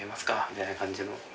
みたいな感じの。